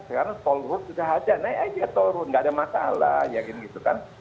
sekarang toll route sudah ada naik aja toll route enggak ada masalah ya gitu kan